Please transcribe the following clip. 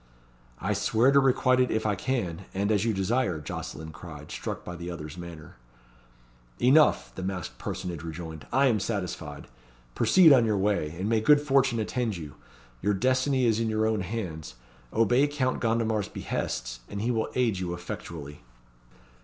"I swear to requite it if I can and as you desire," Jocelyn cried, struck by the other's manner. "Enough!" the masked personage rejoined. "I am satisfied. Proceed on your way, and may good fortune attend you! Your destiny is in your own hands. Obey Count Gondomar's behests, and he will aid you effectually."